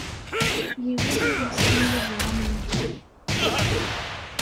Yiwen ur yessin Yuba am nekk.